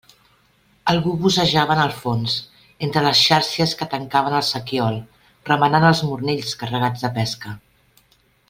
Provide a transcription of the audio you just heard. Algú bussejava en el fons, entre les xàrcies que tancaven el sequiol, remenant els mornells carregats de pesca.